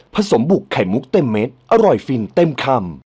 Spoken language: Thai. สมบุกไข่มุกเต็มเม็ดอร่อยฟินเต็มคำ